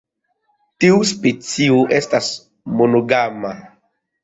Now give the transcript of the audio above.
Tiu specio estas monogama.